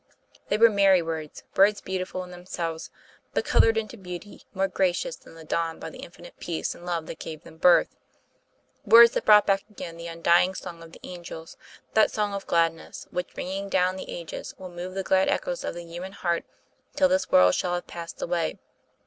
They were merry words; words beautiful in themselves, but colored into beauty more gracious than the dawn by the infinite Peace and Love that gave them birth; words that brought back again that undying song of the angels, that song of gladness, which, ringing down the ages, will move the glad echoes of the human heart till this world shall have passed away.